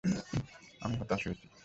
আমি হতাশ হয়েছি।